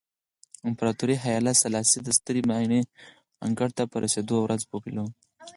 امپراتور هایله سلاسي د سترې ماڼۍ انګړ ته په رسېدو ورځ پیلوله.